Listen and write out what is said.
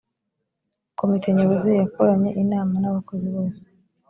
komite nyobozi yakoranye inama n abakozi bose